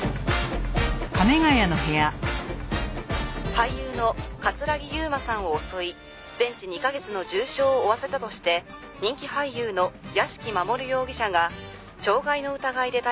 「俳優の城悠真さんを襲い全治２カ月の重傷を負わせたとして人気俳優の屋敷マモル容疑者が傷害の疑いで逮捕されました」